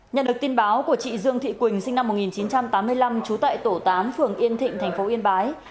nhận được tin báo của chị dương thị quỳnh sinh năm một nghìn chín trăm tám mươi năm trú tại tổ tám phường yên thịnh thành phố yên bái